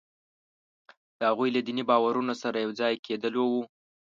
د هغوی له دیني باورونو سره یو ځای کېدلو وو.